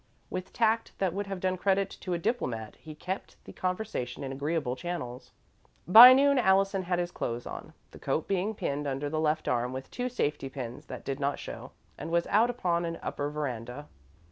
With tact that would have done credit to a diplomat, he kept the conversation in agreeable channels. By noon, Allison had his clothes on, the coat being pinned under the left arm with two safety pins that did not show, and was out upon an upper veranda.